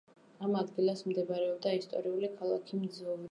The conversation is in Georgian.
ამ ადგილას მდებარეობდა ისტორიული ქალაქი მძოვრეთი.